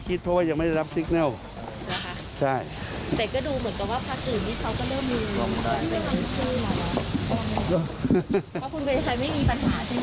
ขอบคุณกับใครไม่มีปัญหาที่นี่คะ